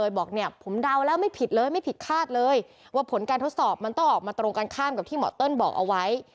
บอกเนี่ยผมเดาแล้วไม่ผิดเลยไม่ผิดคาดเลยว่าผลการทดสอบมันต้องออกมาตรงกันข้ามกับที่หมอเติ้ลบอกเอาไว้